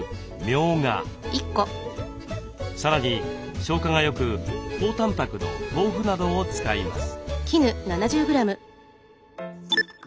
さらに消化がよく高たんぱくの豆腐などを使います。